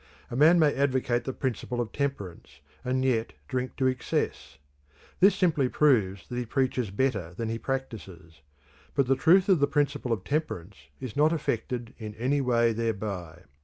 A man may advocate the principle of temperance and yet drink to excess. This simply proves that he preaches better than he practices; but the truth of the principle of temperance is not affected in any way thereby.